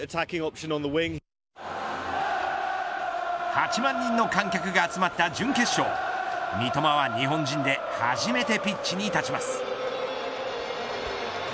８万人の観客が集まった準決勝三笘は日本人で初めてピッチに立ちます。